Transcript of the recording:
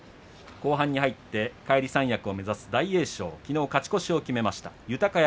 後半に入って返り三役を目指す大栄翔きのう勝ち越しを決めました。